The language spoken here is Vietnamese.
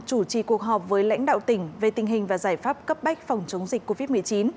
chủ trì cuộc họp với lãnh đạo tỉnh về tình hình và giải pháp cấp bách phòng chống dịch covid một mươi chín